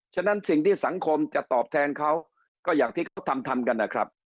ฉะนั้นสิ่งที่สังคมจะตอบแทนเขาก็อย่างที่เขาทำทำกันนะครับ